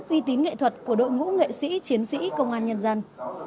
uy tín nghệ thuật của đội ngũ nghệ sĩ chiến sĩ công an nhân dân